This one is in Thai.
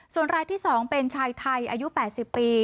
ส่วนรายที่๒เป็นชายไทยอายุ๘๐ปี